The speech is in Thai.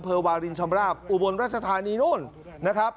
เฟอร์วาลินชมราบอุบลราชธานีนู่น